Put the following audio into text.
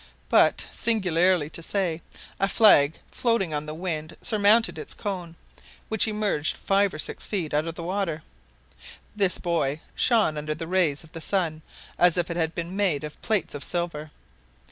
But, singularly to say, a flag floating on the wind surmounted its cone, which emerged five or six feet out of water. This buoy shone under the rays of the sun as if it had been made of plates of silver.